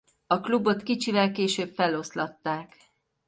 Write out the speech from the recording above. A klubot kicsivel később feloszlatták.